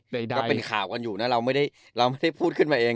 ก็เป็นข่าวกันอยู่นะเราไม่ได้พูดขึ้นมาเอง